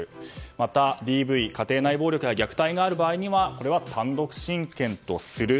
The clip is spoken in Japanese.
また、ＤＶ・家庭内暴力や虐待がある場合にはこれは単独親権とする。